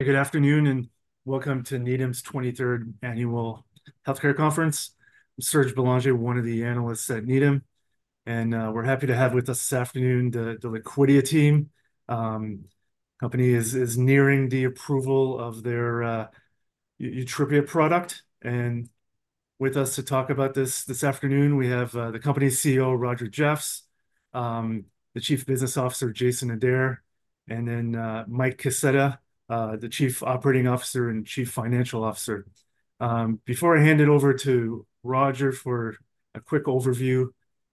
Good afternoon and welcome to Needham's 23rd Annual Healthcare Conference. I'm Serge Belanger, one of the analysts at Needham, and we're happy to have with us this afternoon the Liquidia team. The company is nearing the approval of their Yutrepia product, and with us to talk about this afternoon we have the company's CEO Roger Jeffs, the Chief Business Officer Jason Adair, and then Mike Kaseta, the Chief Operating Officer and Chief Financial Officer. Before I hand it over to Roger for a quick overview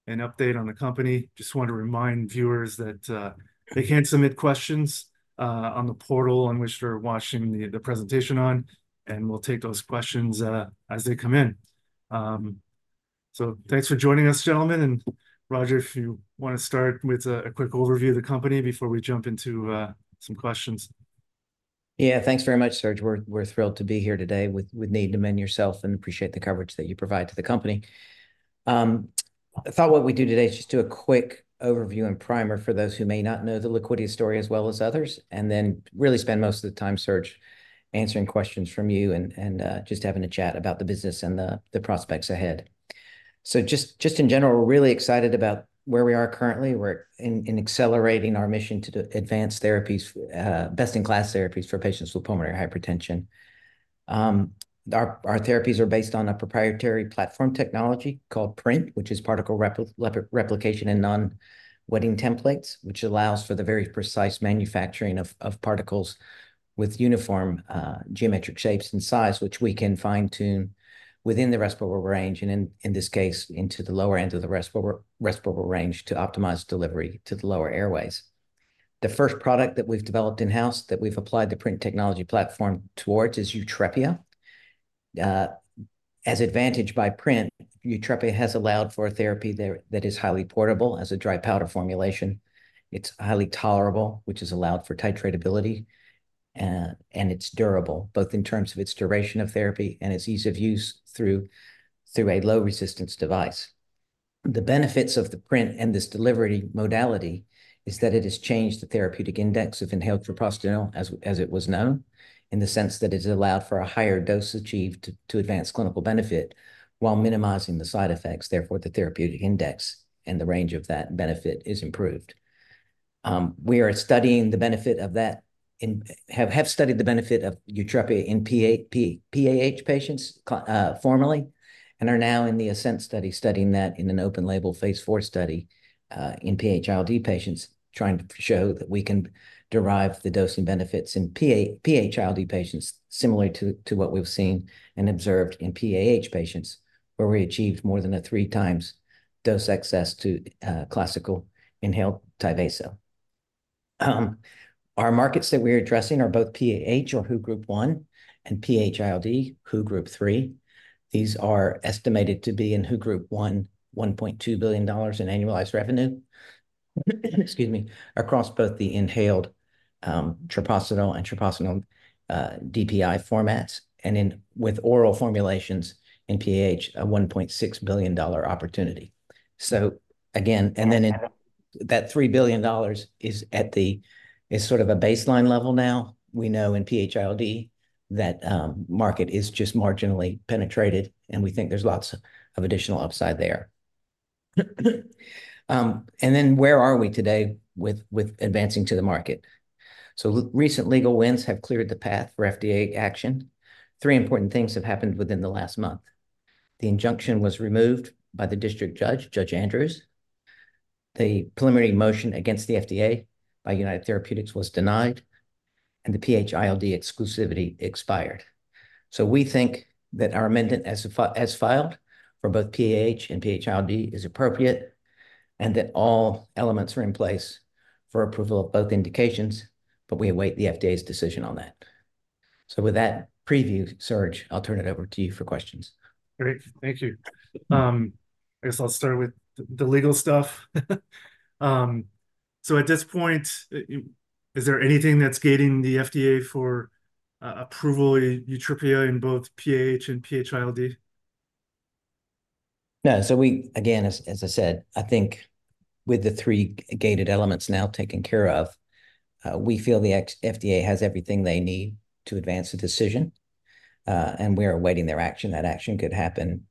and update on the company, just want to remind viewers that they can submit questions on the portal on which they're watching the presentation on, and we'll take those questions as they come in. So thanks for joining us, gentlemen, and Roger, if you want to start with a quick overview of the company before we jump into some questions. Yeah, thanks very much, Serge. We're thrilled to be here today with Needham and yourself, and appreciate the coverage that you provide to the company. I thought what we'd do today is just do a quick overview and primer for those who may not know the Liquidia story as well as others, and then really spend most of the time, Serge, answering questions from you and just having a chat about the business and the prospects ahead. So just in general, we're really excited about where we are currently. We're accelerating our mission to advance therapies, best-in-class therapies for patients with pulmonary hypertension. Our therapies are based on a proprietary platform technology called PRINT, which is Particle Replication In Non-wetting Templates, which allows for the very precise manufacturing of particles with uniform, geometric shapes and size, which we can fine-tune within the respiratory range and, in this case, into the lower end of the respiratory range to optimize delivery to the lower airways. The first product that we've developed in-house that we've applied the PRINT technology platform towards is Yutrepia. As advantaged by PRINT, Yutrepia has allowed for a therapy that is highly portable as a dry powder formulation. It's highly tolerable, which has allowed for titratability, and it's durable both in terms of its duration of therapy and its ease of use through a low-resistance device. The benefits of the PRINT and this delivery modality is that it has changed the therapeutic index of inhaled prostacyclin as it was known, in the sense that it has allowed for a higher dose achieved to advance clinical benefit while minimizing the side effects. Therefore, the therapeutic index and the range of that benefit is improved. We are studying the benefit of that. We have studied the benefit of Yutrepia in PAH patients formerly, and are now in the ASCENT study studying that in an open-label phase IV study in PH-ILD patients, trying to show that we can derive the dosing benefits in PH-ILD patients similar to what we've seen and observed in PAH patients, where we achieved more than a three-times dose excess to classical inhaled Tyvaso. Our markets that we're addressing are both PAH or WHO Group I and PH-ILD, WHO Group III. These are estimated to be in WHO Group I, $1.2 billion in annualized revenue, excuse me, across both the inhaled treprostinil and treprostinil DPI formats, and then with oral formulations in PAH, a $1.6 billion opportunity. So again, and then in that $3 billion is sort of a baseline level now. We know in PH-ILD that market is just marginally penetrated, and we think there's lots of additional upside there. And then where are we today with advancing to the market? So recent legal wins have cleared the path for FDA action. Three important things have happened within the last month. The injunction was removed by the district judge, Judge Andrews. The preliminary motion against the FDA by United Therapeutics was denied, and the PH-ILD exclusivity expired. So we think that our amendment as filed for both PAH and PH-ILD is appropriate and that all elements are in place for approval of both indications, but we await the FDA's decision on that. So with that preview, Serge, I'll turn it over to you for questions. Great. Thank you. I guess I'll start with the legal stuff. At this point, is there anything that's gating the FDA for approval of Yutrepia in both PAH and PH-ILD? No. So we again, as I said, I think with the three gated elements now taken care of, we feel the FDA has everything they need to advance a decision, and we are awaiting their action. That action could happen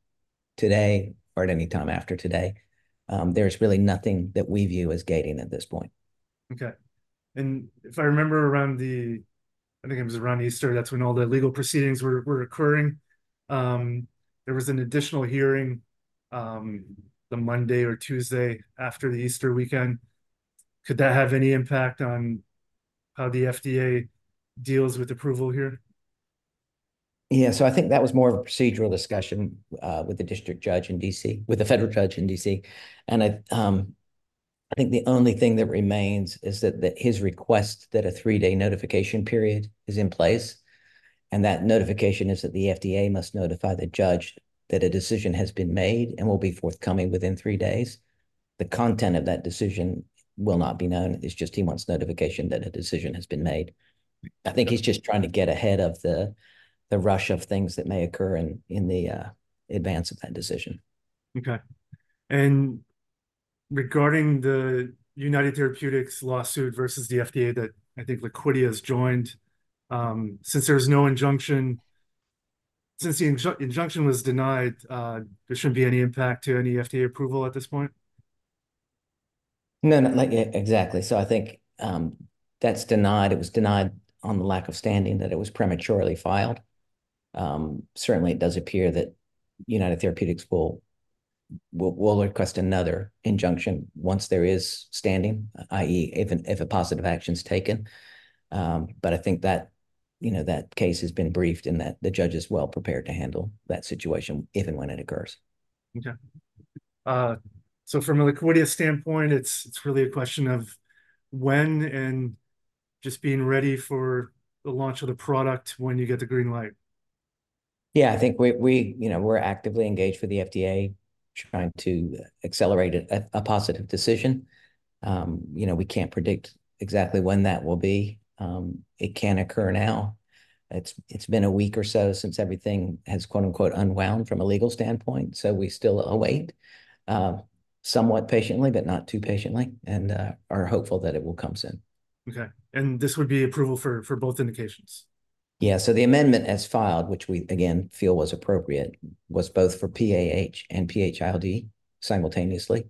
today or at any time after today. There's really nothing that we view as gating at this point. Okay. And if I remember, around the, I think it was around Easter. That's when all the legal proceedings were occurring. There was an additional hearing, the Monday or Tuesday after the Easter weekend. Could that have any impact on how the FDA deals with approval here? Yeah. So I think that was more of a procedural discussion with the district judge in D.C. with the federal judge in D.C. And I think the only thing that remains is that his request that a three-day notification period is in place, and that notification is that the FDA must notify the judge that a decision has been made and will be forthcoming within three days. The content of that decision will not be known. It's just he wants notification that a decision has been made. I think he's just trying to get ahead of the rush of things that may occur in advance of that decision. Okay. Regarding the United Therapeutics lawsuit versus the FDA that I think Liquidia has joined, since there's no injunction since the injunction was denied, there shouldn't be any impact to any FDA approval at this point? No, no. Like, exactly. So I think that's denied. It was denied on the lack of standing that it was prematurely filed. Certainly, it does appear that United Therapeutics will request another injunction once there is standing, i.e., if a positive action's taken. But I think that, you know, that case has been briefed and that the judge is well prepared to handle that situation even when it occurs. Okay. So from a Liquidia standpoint, it's really a question of when and just being ready for the launch of the product when you get the green light. Yeah. I think we, you know, we're actively engaged with the FDA trying to accelerate a positive decision. You know, we can't predict exactly when that will be. It can occur now. It's been a week or so since everything has, quote-unquote, "unwound" from a legal standpoint, so we still await, somewhat patiently but not too patiently, and are hopeful that it will come soon. Okay. And this would be approval for, for both indications? Yeah. So the amendment as filed, which we, again, feel was appropriate, was both for PAH and PH-ILD simultaneously.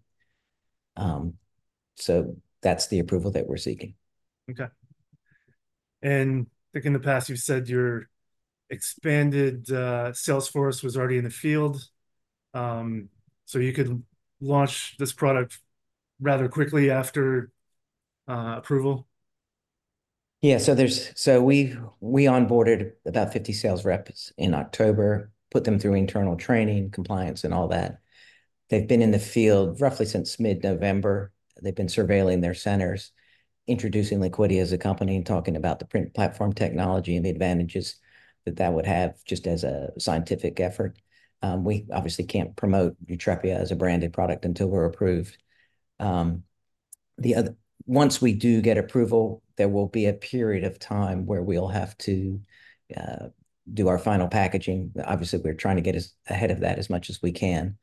So that's the approval that we're seeking. Okay. And I think in the past you've said your expanded sales force was already in the field. So you could launch this product rather quickly after approval? Yeah. So we, we onboarded about 50 sales reps in October, put them through internal training, compliance, and all that. They've been in the field roughly since mid-November. They've been surveilling their centers, introducing Liquidia as a company, and talking about the PRINT platform technology and the advantages that that would have just as a scientific effort. We obviously can't promote Yutrepia as a branded product until we're approved. Then, once we do get approval, there will be a period of time where we'll have to do our final packaging. Obviously, we're trying to get as ahead of that as much as we can,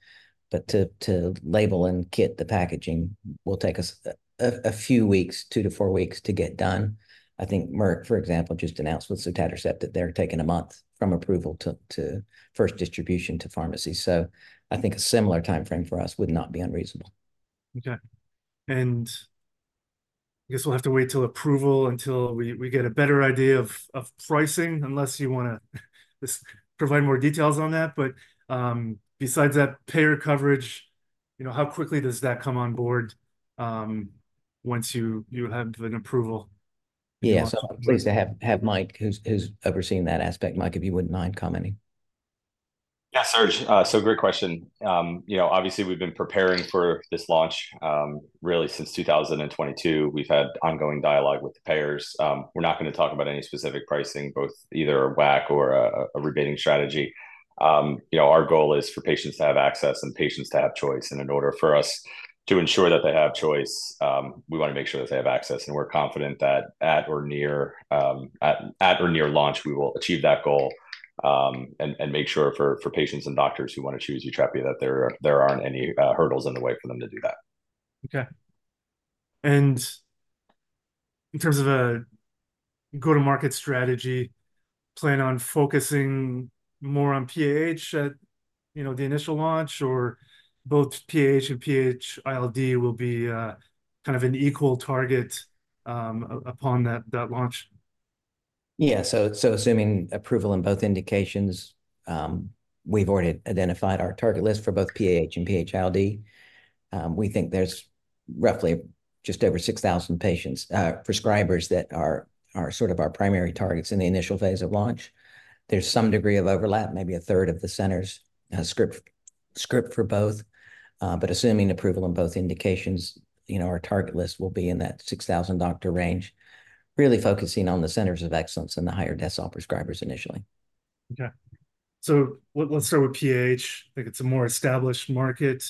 but to label and kit the packaging will take us a few weeks, 2-4 weeks, to get done. I think Merck, for example, just announced with sotatercept that they're taking a month from approval to first distribution to pharmacies. So I think a similar timeframe for us would not be unreasonable. Okay. And I guess we'll have to wait till approval until we get a better idea of pricing unless you want to just provide more details on that. But, besides that payer coverage, you know, how quickly does that come on board, once you have an approval? Yeah. So pleased to have Mike who's overseeing that aspect, Mike, if you wouldn't mind commenting. Yeah, Serge. So great question. You know, obviously, we've been preparing for this launch, really since 2022. We've had ongoing dialogue with the payers. We're not going to talk about any specific pricing, both either a WAC or a rebating strategy. You know, our goal is for patients to have access and patients to have choice. And in order for us to ensure that they have choice, we want to make sure that they have access. And we're confident that at or near, at, at or near launch, we will achieve that goal, and, and make sure for, for patients and doctors who want to choose Yutrepia that there aren't any hurdles in the way for them to do that. Okay. And in terms of a go-to-market strategy, plan on focusing more on PAH at, you know, the initial launch, or both PAH and PH-ILD will be, kind of an equal target, upon that launch? Yeah. So assuming approval in both indications, we've already identified our target list for both PAH and PH-ILD. We think there's roughly just over 6,000 patients, prescribers that are sort of our primary targets in the initial phase of launch. There's some degree of overlap, maybe a third of the centers, script for both. But assuming approval in both indications, you know, our target list will be in that 6,000-doctor range, really focusing on the centers of excellence and the higher decile prescribers initially. Okay. So let's start with PAH. I think it's a more established market.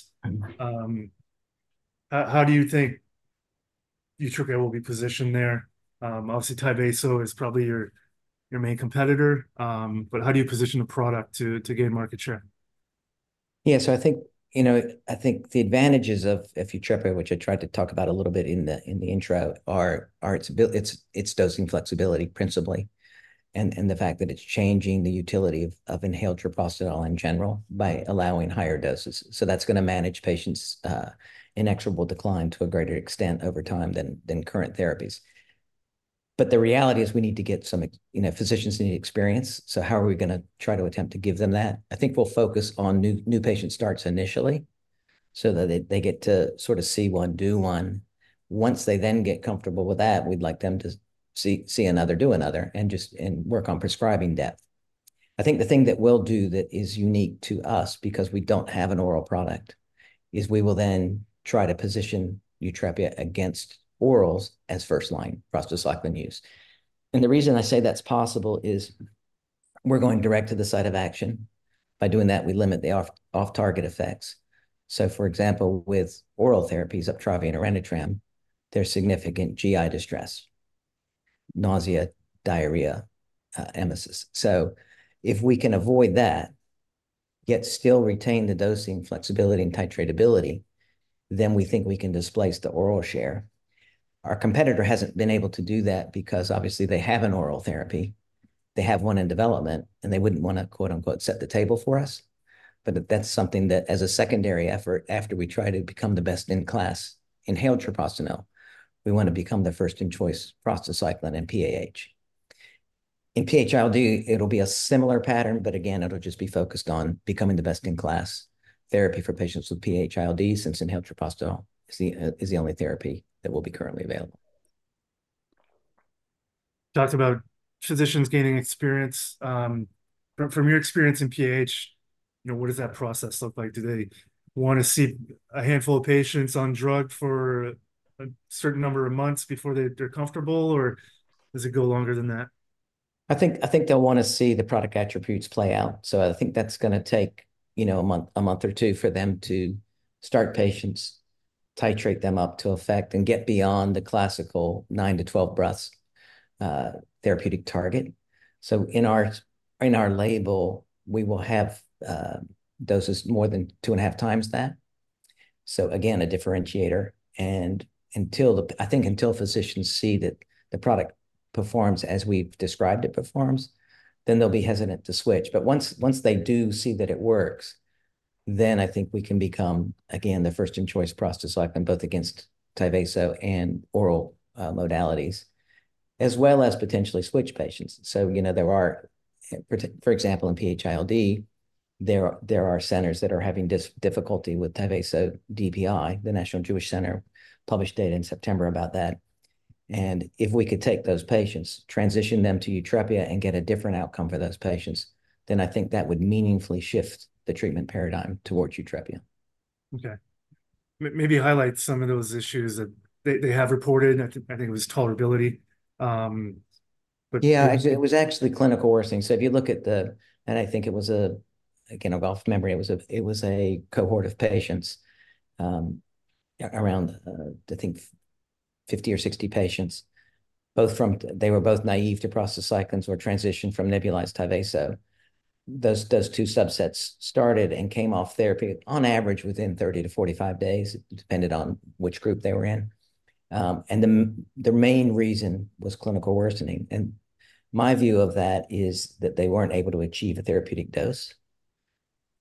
How do you think Yutrepia will be positioned there? Obviously, Tyvaso is probably your main competitor. But how do you position the product to gain market share? Yeah. So I think, you know, I think the advantages of Yutrepia, which I tried to talk about a little bit in the intro, are its ability, it's dosing flexibility principally, and the fact that it's changing the utility of inhaled treprostinil in general by allowing higher doses. So that's going to manage patients' inexorable decline to a greater extent over time than current therapies. But the reality is we need to get some, you know, physicians need experience. So how are we going to try to attempt to give them that? I think we'll focus on new patient starts initially so that they get to sort of see one, do one. Once they then get comfortable with that, we'd like them to see another, do another, and just work on prescribing depth. I think the thing that we'll do that is unique to us because we don't have an oral product is we will then try to position Yutrepia against orals as first-line prostacyclin use. And the reason I say that's possible is we're going direct to the site of action. By doing that, we limit the off-target effects. So, for example, with oral therapies Uptravi and Orenitram, there's significant GI distress, nausea, diarrhea, emesis. So if we can avoid that, yet still retain the dosing flexibility and titratability, then we think we can displace the oral share. Our competitor hasn't been able to do that because, obviously, they have an oral therapy. They have one in development, and they wouldn't want to, quote-unquote, "set the table for us." But that's something that as a secondary effort after we try to become the best-in-class inhaled treprostinil, we want to become the first-in-choice prostacyclin and PAH. In PH-ILD, it'll be a similar pattern, but again, it'll just be focused on becoming the best-in-class therapy for patients with PH-ILD since inhaled treprostinil is the only therapy that will be currently available. Talked about physicians gaining experience. From your experience in PAH, you know, what does that process look like? Do they want to see a handful of patients on drug for a certain number of months before they, they're comfortable, or does it go longer than that? I think they'll want to see the product attributes play out. So I think that's going to take, you know, a month or two for them to start patients, titrate them up to effect, and get beyond the classical 9-12 breaths therapeutic target. So in our label, we will have doses more than 2.5 times that. So again, a differentiator. And until, I think, until physicians see that the product performs as we've described it, then they'll be hesitant to switch. But once they do see that it works, then I think we can become, again, the first-in-choice prostacyclin both against Tyvaso and oral modalities as well as potentially switch patients. So, you know, there are, for example, in PH-ILD, centers that are having difficulty with Tyvaso DPI. The National Jewish Health published data in September about that. If we could take those patients, transition them to Yutrepia, and get a different outcome for those patients, then I think that would meaningfully shift the treatment paradigm towards Yutrepia. Okay. Maybe highlight some of those issues that they have reported. I think it was tolerability. But. Yeah. It was actually clinical worsening. So if you look at the, and I think it was, again, from memory, it was a cohort of patients, around, I think 50 or 60 patients, both from; they were both naive to prostacyclin or transitioned from nebulized Tyvaso. Those two subsets started and came off therapy on average within 30-45 days, depending on which group they were in, and the main reason was clinical worsening. And my view of that is that they weren't able to achieve a therapeutic dose.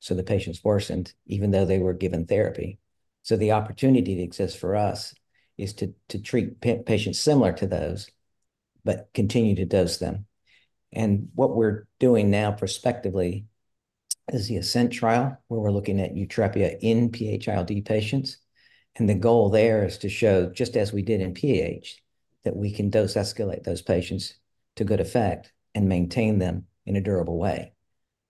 So the patients worsened even though they were given therapy. So the opportunity that exists for us is to treat patients similar to those but continue to dose them. And what we're doing now, prospectively, is the ASCENT trial where we're looking at Yutrepia in PH-ILD patients. The goal there is to show, just as we did in PAH, that we can dose escalate those patients to good effect and maintain them in a durable way.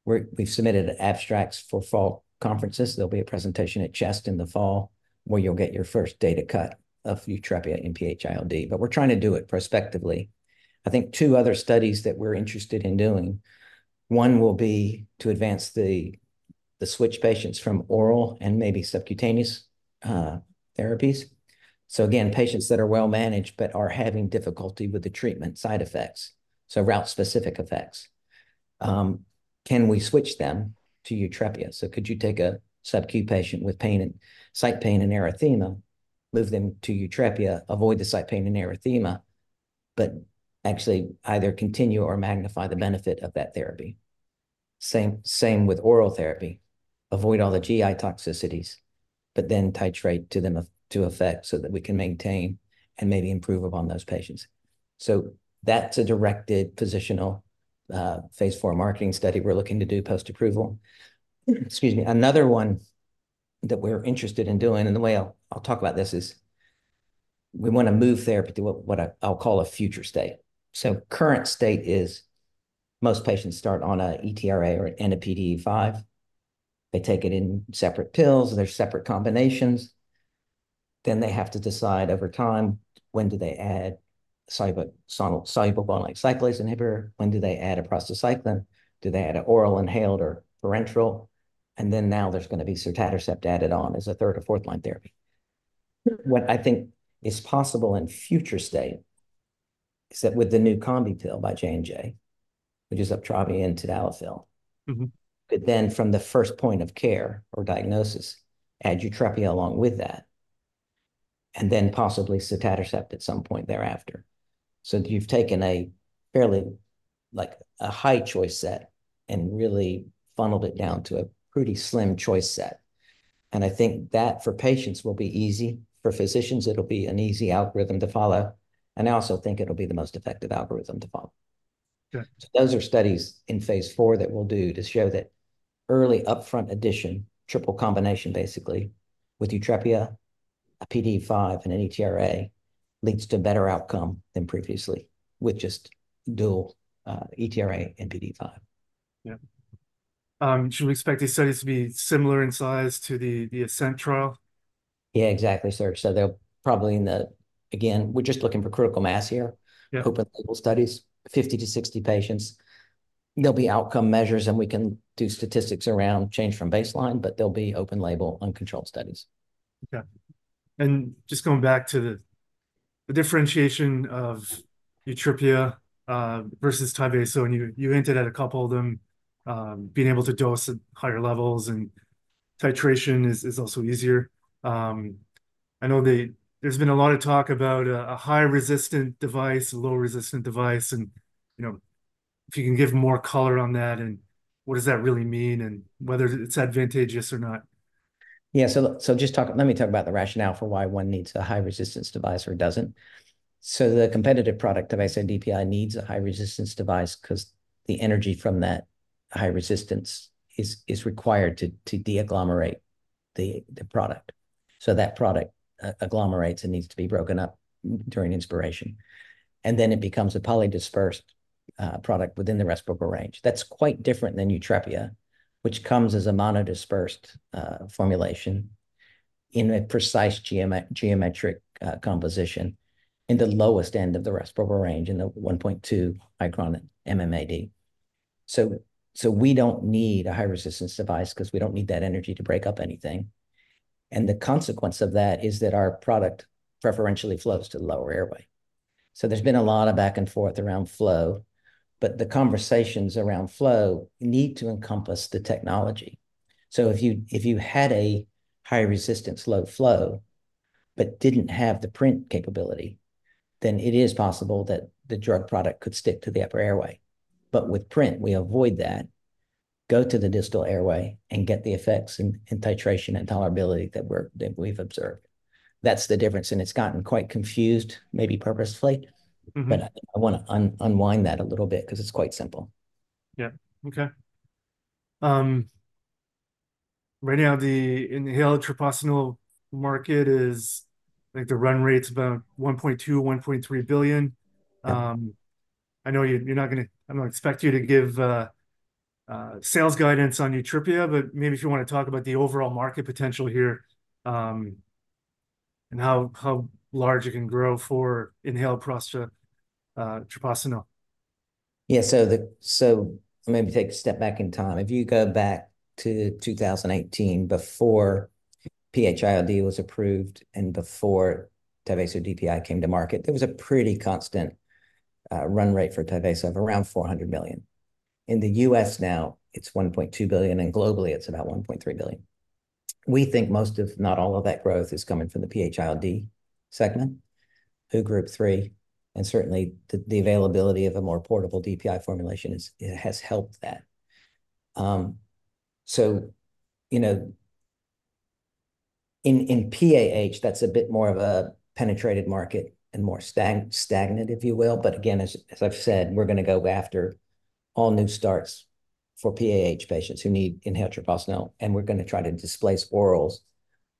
We've submitted abstracts for fall conferences. There'll be a presentation at CHEST in the fall where you'll get your first data cut of Yutrepia in PH-ILD. But we're trying to do it prospectively. I think two other studies that we're interested in doing, one will be to advance the switch patients from oral and maybe subcutaneous therapies. So again, patients that are well managed but are having difficulty with the treatment side effects, so route-specific effects. Can we switch them to Yutrepia? So could you take a sub-Q patient with pain and site pain and erythema, move them to Yutrepia, avoid the site pain and erythema, but actually either continue or magnify the benefit of that therapy? Same, same with oral therapy. Avoid all the GI toxicities, but then titrate to them to effect so that we can maintain and maybe improve upon those patients. So that's a directed positional, phase four marketing study we're looking to do post-approval. Excuse me. Another one that we're interested in doing and the way I'll, I'll talk about this is we want to move therapy to what, what I'll call a future state. So current state is most patients start on a ETRA or a PDE5. They take it in separate pills. There's separate combinations. Then they have to decide over time, when do they add soluble guanylate cyclase inhibitor? When do they add a prostacyclin? Do they add an oral, inhaled, or parenteral? And then now there's going to be sotatercept added on as a third or fourth-line therapy. What I think is possible in future state is that with the new combo pill by J&J, which is Uptravi and tadalafil, could then from the first point of care or diagnosis add Yutrepia along with that and then possibly sotatercept at some point thereafter. So you've taken a fairly, like, a high choice set and really funneled it down to a pretty slim choice set. And I think that for patients will be easy. For physicians, it'll be an easy algorithm to follow. And I also think it'll be the most effective algorithm to follow. Okay. Those are studies in phase 4 that we'll do to show that early upfront addition, triple combination basically, with Yutrepia, a PDE5, and an ETRA leads to better outcome than previously with just dual, ETRA and PDE5. Yeah. Should we expect these studies to be similar in size to the ASCENT trial? Yeah, exactly, Serge. So they'll probably, again, we're just looking for critical mass here, open-label studies, 50-60 patients. There'll be outcome measures, and we can do statistics around change from baseline, but they'll be open-label, uncontrolled studies. Okay. And just going back to the differentiation of Yutrepia, versus Tyvaso, and you hinted at a couple of them, being able to dose at higher levels and titration is also easier. I know there's been a lot of talk about a high-resistant device, low-resistant device, and, you know, if you can give more color on that and what does that really mean and whether it's advantageous or not. Yeah. So just let me talk about the rationale for why one needs a high-resistance device or doesn't. So the competitive product, Tyvaso DPI, needs a high-resistance device because the energy from that high resistance is required to de-agglomerate the product. So that product agglomerates and needs to be broken up during inspiration. And then it becomes a polydispersed product within the respiratory range. That's quite different than Yutrepia, which comes as a monodispersed formulation in a precise geometric composition in the lowest end of the respiratory range in the 1.2 micron MMAD. So we don't need a high-resistance device because we don't need that energy to break up anything. And the consequence of that is that our product preferentially flows to the lower airway. So there's been a lot of back and forth around flow, but the conversations around flow need to encompass the technology. So if you had a high-resistance low flow but didn't have the PRINT capability, then it is possible that the drug product could stick to the upper airway. But with PRINT, we avoid that, go to the distal airway, and get the effects and titration and tolerability that we've observed. That's the difference. And it's gotten quite confused, maybe purposefully. But I want to unwind that a little bit because it's quite simple. Yeah. Okay. Right now, the inhaled treprostinil market is, I think, the run rate's about $1.2-$1.3 billion. I know you're, you're not going to. I'm not expecting you to give sales guidance on Yutrepia, but maybe if you want to talk about the overall market potential here, and how, how large it can grow for inhaled prostacyclin treprostinil. Yeah. So let me take a step back in time. If you go back to 2018 before PH-ILD was approved and before Tyvaso DPI came to market, there was a pretty constant run rate for Tyvaso of around $400 million. In the US now, it's $1.2 billion, and globally, it's about $1.3 billion. We think most of not all of that growth is coming from the PH-ILD segment, WHO Group III, and certainly the availability of a more portable DPI formulation is, it has helped that. So, you know, in PAH, that's a bit more of a penetrated market and more stagnant, if you will. But again, as I've said, we're going to go after all new starts for PAH patients who need inhaled treprostinil, and we're going to try to displace orals,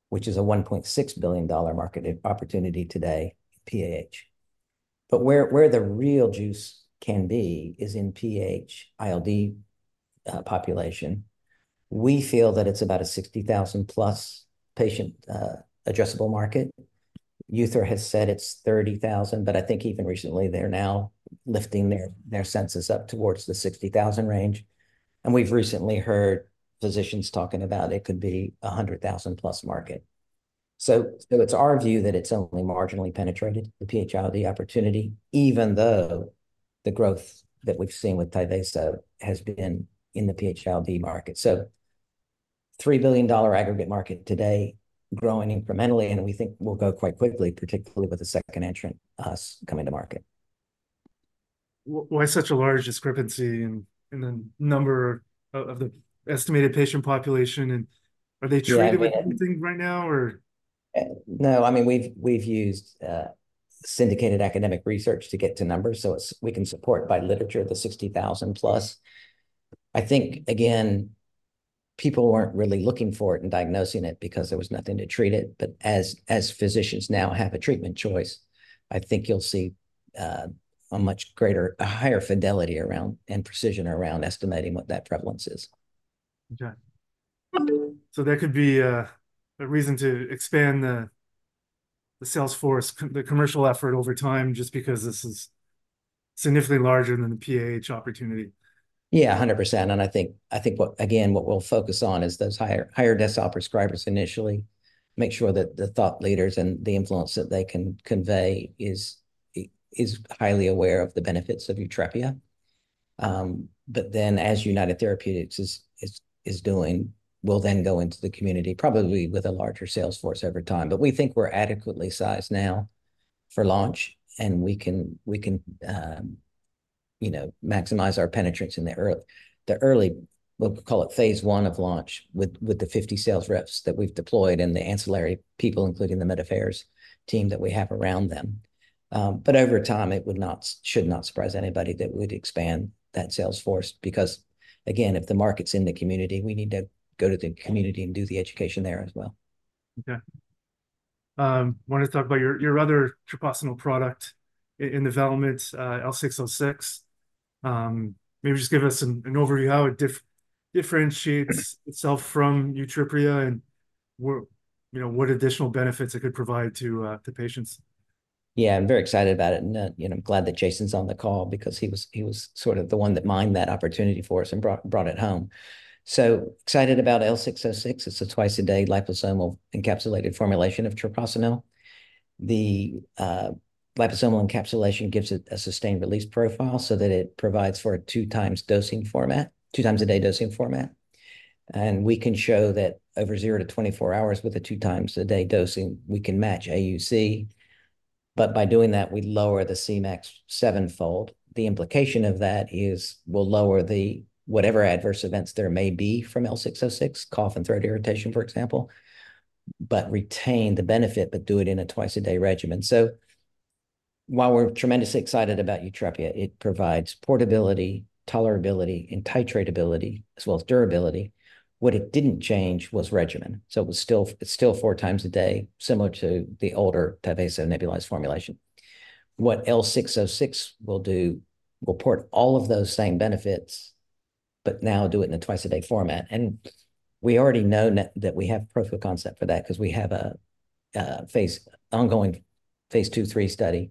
which is a $1.6 billion market opportunity today in PAH. But where the real juice can be is in PH-ILD population. We feel that it's about a 60,000-plus patient addressable market. United Therapeutics has said it's 30,000, but I think even recently, they're now lifting their census up towards the 60,000 range. And we've recently heard physicians talking about it could be a 100,000-plus market. So it's our view that it's only marginally penetrated, the PH-ILD opportunity, even though the growth that we've seen with Tyvaso has been in the PH-ILD market. So $3 billion aggregate market today growing incrementally, and we think we'll go quite quickly, particularly with the second entrant us coming to market. Why such a large discrepancy in the number of the estimated patient population? And are they treated with anything right now, or? No. I mean, we've used syndicated academic research to get to numbers. So it's we can support by literature the 60,000-plus. I think, again, people weren't really looking for it and diagnosing it because there was nothing to treat it. But as physicians now have a treatment choice, I think you'll see a much greater higher fidelity around and precision around estimating what that prevalence is. Okay. So that could be a reason to expand the sales force, the commercial effort over time just because this is significantly larger than the PAH opportunity. Yeah, 100%. And I think what we'll focus on is those higher-decile prescribers initially, make sure that the thought leaders and the influence that they can convey is highly aware of the benefits of Yutrepia. But then as United Therapeutics is doing, we'll then go into the community, probably with a larger sales force over time. But we think we're adequately sized now for launch, and we can, you know, maximize our penetrance in the early phase one of launch with the 50 sales reps that we've deployed and the ancillary people, including the med affairs team that we have around them. But over time, it should not surprise anybody that we'd expand that sales force because, again, if the market's in the community, we need to go to the community and do the education there as well. Okay. Wanted to talk about your other treprostinil product in development, L606. Maybe just give us an overview how it differentiates itself from Yutrepia and what, you know, what additional benefits it could provide to patients. Yeah. I'm very excited about it. And, you know, I'm glad that Jason's on the call because he was sort of the one that mined that opportunity for us and brought it home. So excited about L606. It's a twice-a-day liposomal encapsulated formulation of treprostinil. The liposomal encapsulation gives it a sustained release profile so that it provides for a two-times dosing format, two-times-a-day dosing format. And we can show that over 0 to 24 hours with a two-times-a-day dosing, we can match AUC. But by doing that, we lower the Cmax sevenfold. The implication of that is we'll lower the whatever adverse events there may be from L606, cough and throat irritation, for example, but retain the benefit but do it in a twice-a-day regimen. So while we're tremendously excited about Yutrepia, it provides portability, tolerability, and titrability as well as durability. What it didn't change was regimen. So it was still it's still 4 times a day, similar to the older Tyvaso nebulized formulation. What L606 will do will port all of those same benefits, but now do it in a twice-a-day format. And we already know that we have proof of concept for that because we have a phase ongoing phase 2, 3 study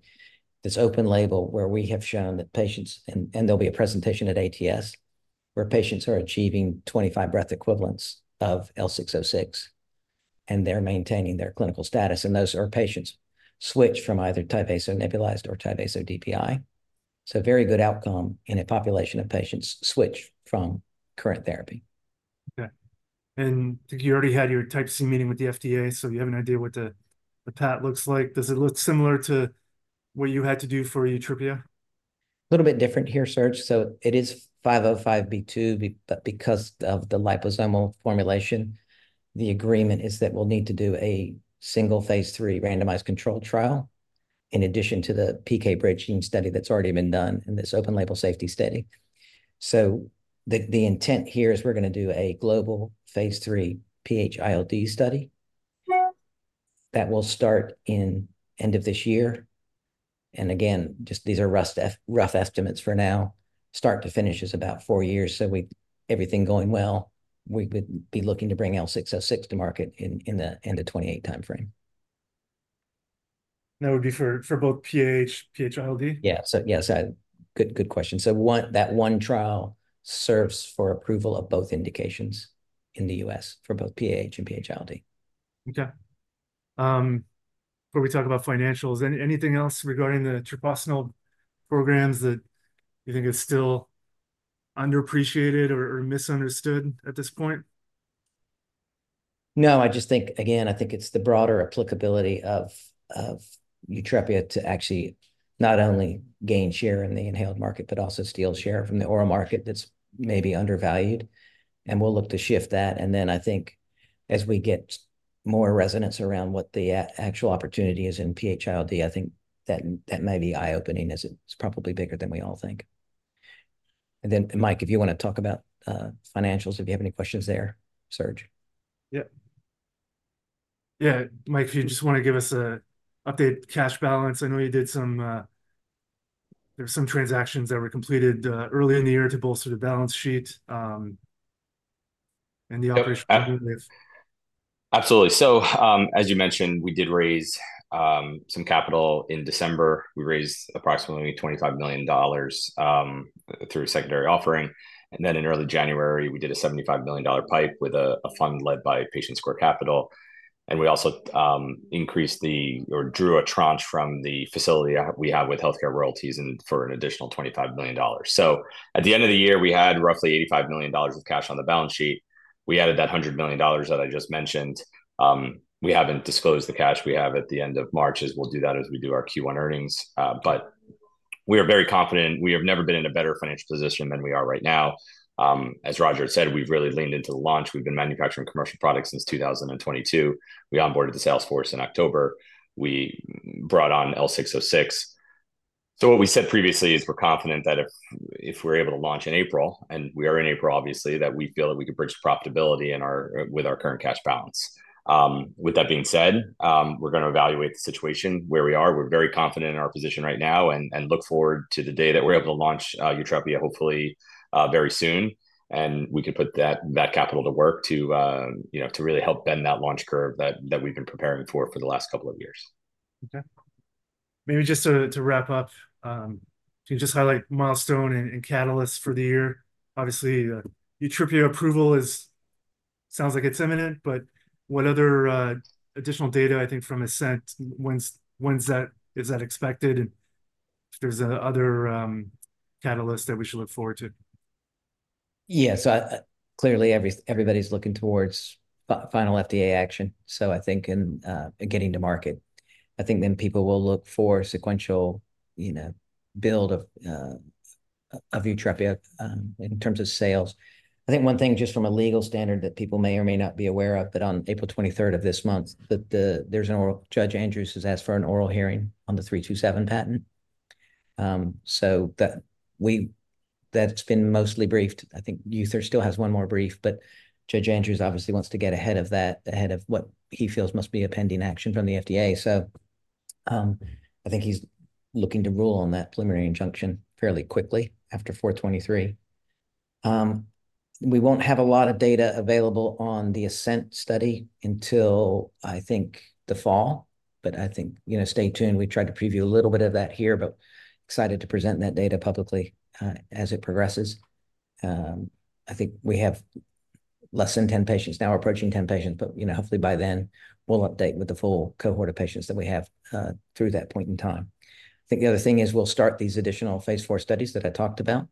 that's open-label where we have shown that patients and there'll be a presentation at ATS where patients are achieving 25 breath equivalents of L606 and they're maintaining their clinical status. And those are patients switch from either Tyvaso nebulized or Tyvaso DPI. So very good outcome in a population of patients switch from current therapy. Okay. And you already had your Type C Meeting with the FDA, so you have an idea what the, the path looks like. Does it look similar to what you had to do for Yutrepia? A little bit different here, Serge. So it is 505(b)(2), but because of the liposomal formulation, the agreement is that we'll need to do a single phase 3 randomized controlled trial in addition to the PK bridging study that's already been done and this open-label safety study. So the intent here is we're going to do a global phase 3 PH-ILD study that will start in end of this year. And again, just these are rough, rough estimates for now. Start to finish is about 4 years. So everything going well, we would be looking to bring L606 to market in the end of 2028 timeframe. That would be for both PH, PH-ILD? Yeah. So yes, it's a good, good question. So one trial serves for approval of both indications in the U.S. for both PH and PH-ILD. Okay. Before we talk about financials, anything else regarding the treprostinil programs that you think is still underappreciated or misunderstood at this point? No. I just think again, I think it's the broader applicability of Yutrepia to actually not only gain share in the inhaled market, but also steal share from the oral market that's maybe undervalued. And we'll look to shift that. And then I think as we get more resonance around what the actual opportunity is in PH-ILD, I think that may be eye-opening as it's probably bigger than we all think. And then, Mike, if you want to talk about financials, if you have any questions there, Serge. Yeah. Yeah, Mike, if you just want to give us an updated cash balance. I know there were some transactions that were completed, early in the year to bolster the balance sheet, and the operational. Absolutely. So, as you mentioned, we did raise some capital in December. We raised approximately $25 million through a secondary offering. And then in early January, we did a $75 million PIPE with a fund led by Patient Square Capital. And we also drew a tranche from the facility we have with Healthcare Royalty Partners for an additional $25 million. So at the end of the year, we had roughly $85 million of cash on the balance sheet. We added that $100 million that I just mentioned. We haven't disclosed the cash we have at the end of March; we'll do that as we do our Q1 earnings. But we are very confident. We have never been in a better financial position than we are right now. As Roger had said, we've really leaned into the launch. We've been manufacturing commercial products since 2022. We onboarded the sales force in October. We brought on L606. So what we said previously is we're confident that if, if we're able to launch in April, and we are in April, obviously, that we feel that we could bridge profitability in our with our current cash balance. With that being said, we're going to evaluate the situation where we are. We're very confident in our position right now and, and look forward to the day that we're able to launch Yutrepia, hopefully, very soon. And we can put that, that capital to work to, you know, to really help bend that launch curve that, that we've been preparing for, for the last couple of years. Okay. Maybe just to wrap up, can you just highlight milestone and catalyst for the year? Obviously, the Yutrepia approval sounds like it's imminent, but what other additional data, I think, from ASCENT? When's that expected? And if there's another catalyst that we should look forward to? Yeah. So, clearly, everybody is looking towards final FDA action. So, I think in getting to market, I think then people will look for sequential, you know, build of Yutrepia in terms of sales. I think one thing just from a legal standard that people may or may not be aware of, but on April 23rd of this month, there's an oral hearing. Judge Andrews has asked for an oral hearing on the '327 patent, so that's been mostly briefed. I think United still has one more brief, but Judge Andrews obviously wants to get ahead of that, ahead of what he feels must be a pending action from the FDA. So, I think he's looking to rule on that preliminary injunction fairly quickly after 4/23. We won't have a lot of data available on the ASCENT study until, I think, the fall. But I think, you know, stay tuned. We tried to preview a little bit of that here, but excited to present that data publicly, as it progresses. I think we have less than 10 patients now, approaching 10 patients, but, you know, hopefully by then, we'll update with the full cohort of patients that we have, through that point in time. I think the other thing is we'll start these additional phase four studies that I talked about.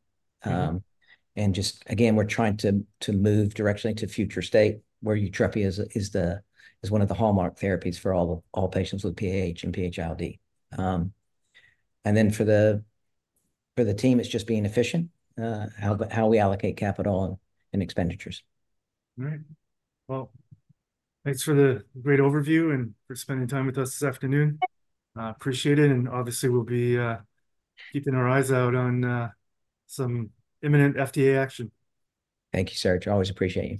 Just again, we're trying to move directionally to future state where Yutrepia is the one of the hallmark therapies for all, all patients with PAH and PH-ILD. Then for the team, it's just being efficient, how we allocate capital and expenditures. All right. Well, thanks for the great overview and for spending time with us this afternoon. Appreciate it. And obviously, we'll be keeping our eyes out on some imminent FDA action. Thank you, Serge. Always appreciate it.